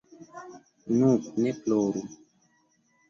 Nu, ne ploru.